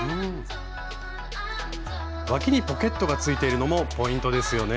わきにポケットがついているのもポイントですよね。